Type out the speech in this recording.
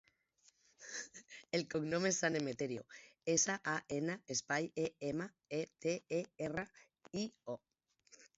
El cognom és San Emeterio: essa, a, ena, espai, e, ema, e, te, e, erra, i, o.